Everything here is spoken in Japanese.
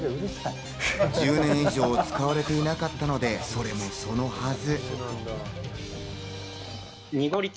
１０年以上、使われていなかったので、それもそのはず。